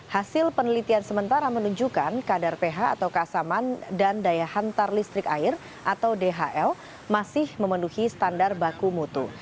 hasil penelitian sementara menunjukkan kadar ph atau kasaman dan daya hantar listrik air atau dhl masih memenuhi standar baku mutu